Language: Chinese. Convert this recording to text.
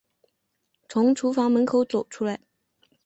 从厨房门口走出来